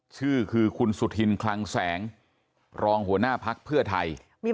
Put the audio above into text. ชื่อคือคุณสุธินคลังแสงรองหัวหน้าพักเพื่อไทย